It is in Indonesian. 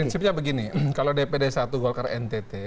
prinsipnya begini kalau dpd satu golkar ntt